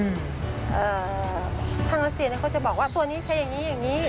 เอ่อช่างรัฐเสียในคนจะบอกว่าตัวนี้ใช้อย่างนี้อย่างนี้